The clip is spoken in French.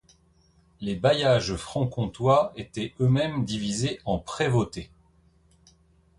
Les bailliages franc-comtois étaient eux-mêmes divisés en prévôtés.